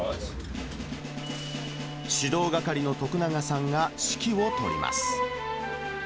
指導係の徳永さんが指揮を執ります。